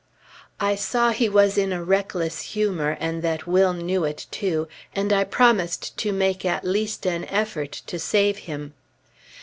I saw he was in a reckless humor, and that Will knew it, too, and I promised to make at least an effort to save him.